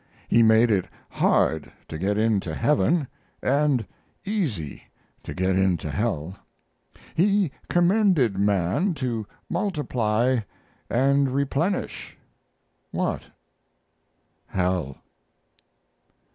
He made it hard to get into heaven and easy to get into hell. He commended man to multiply & replenish what? Hell.